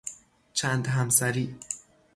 چند همسری